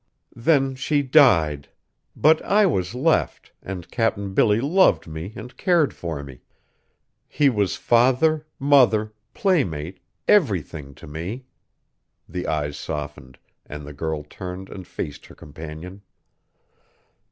Then she died! But I was left, and Cap'n Billy loved me, and cared for me. He was father, mother, playmate, everything to me!" The eyes softened, and the girl turned and faced her companion.